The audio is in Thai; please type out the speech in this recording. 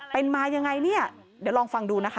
เป็นมายังไงเนี่ยเดี๋ยวลองฟังดูนะคะ